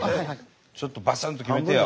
ちょっとバスンと決めてよ